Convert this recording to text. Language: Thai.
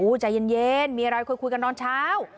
ใจเย็นมีอะไรคุยกันนอนเช้า